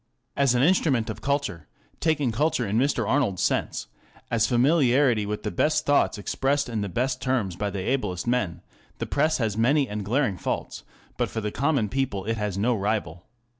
As an instrument of culture, taking culture in Mr. Arnold's sense, as familiarity with the best thoughts expressed in the best terms by the ablest men, the Press has many and glaring faults, but for the common people it has no rival.